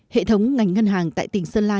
hệ thống ngành ngân hàng tại tỉnh sơn la